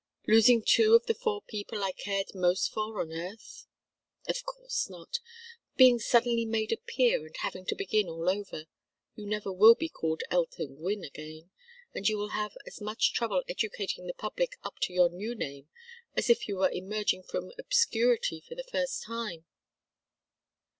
"Losing two of the four people I cared most for on earth?" "Of course not. Being suddenly made a peer and having to begin all over. You never will be called Elton Gwynne again, and you will have as much trouble educating the public up to your new name as if you were emerging from obscurity for the first time."